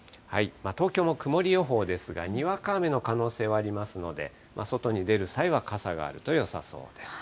東京も曇り予報ですが、にわか雨の可能性はありますので、外に出る際は傘があるとよさそうです。